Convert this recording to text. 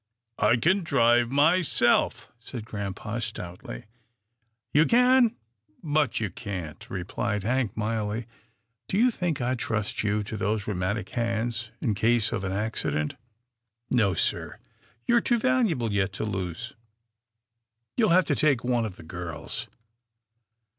" I can drive myself," said grampa stoutly. " You can, but you can't," replied Hank mildly. Do you think I'd trust you to those rheumatic hands in case of an accident? No sir, you're too valuable yet to lose. You'll have to take one of the girls."